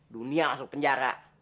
dunia masuk penjara